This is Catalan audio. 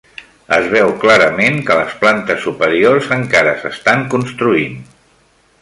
Es veu clarament que les plantes superiors encara s'estan construint.